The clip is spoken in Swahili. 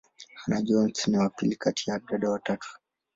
Hannah-Jones ni wa pili kati ya dada watatu.